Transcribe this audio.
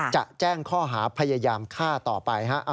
จะแจ้งข้อหาพยายามฆ่าต่อไป